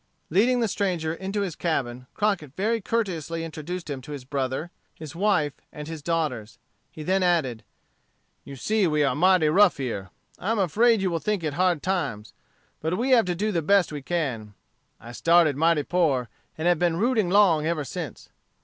Leading the stranger into his cabin, Crockett very courteously introduced him to his brother, his wife, and his daughters. He then added: "You see we are mighty rough here. I am afraid you will think it hard times. But we have to do the best we can. I started mighty poor, and have been rooting 'long ever since.